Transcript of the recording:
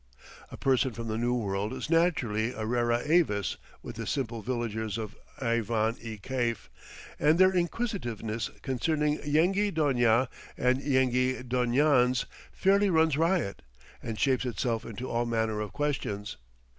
A person from the New World is naturally a rara avis with the simple villagers of Aivan i Kaif, and their inquisitiveness concerning Yenghi Donia and Yenghi Donians fairly runs riot, and shapes itself into all manner of questions.